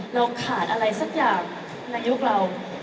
เราขาดอะไรสักอย่างในยุคเรา